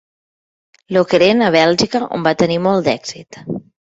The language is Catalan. Lokeren, a Bèlgica, on va tenir molt d'èxit.